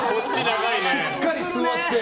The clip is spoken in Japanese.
しっかり座って。